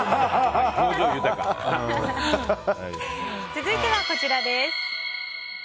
続いてはこちらです。